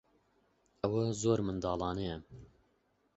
ئەوە زۆر منداڵانەیە.